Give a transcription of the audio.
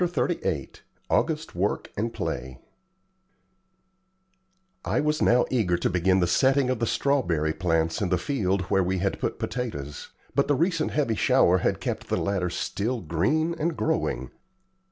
CHAPTER XXXVIII AUGUST WORK AND PLAY I was now eager to begin the setting of the strawberry plants in the field where we had put potatoes, but the recent heavy shower had kept the latter still green and growing.